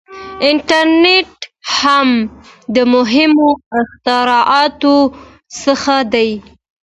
• انټرنېټ هم د مهمو اختراعاتو څخه دی.